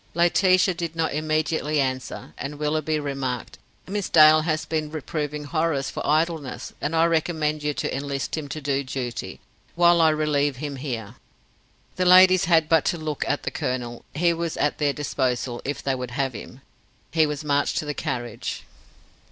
Laetitia did not immediately answer, and Willoughby remarked: "Miss Dale has been reproving Horace for idleness and I recommend you to enlist him to do duty, while I relieve him here." The ladies had but to look at the colonel. He was at their disposal, if they would have him. He was marched to the carriage.